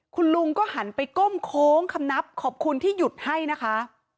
คุณลุงก็หันไปก้มโค้งคำนับขอบคุณที่หยุดให้นะคะ